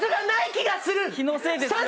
気のせいですよ。